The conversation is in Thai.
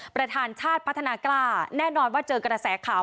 ประธานชาติพัฒนากล้าแน่นอนว่าเจอกระแสข่าว